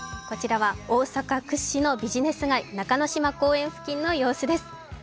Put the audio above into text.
こちらは大阪屈指のビジネス街・中之島公園の様子です。